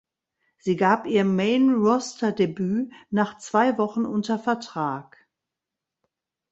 Sie gab ihr Main Roster Debüt nach zwei Wochen unter Vertrag.